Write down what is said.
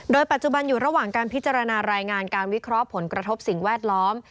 ปัจจุบันอยู่ระหว่างการพิจารณารายงานการวิเคราะห์ผลกระทบสิ่งแวดล้อม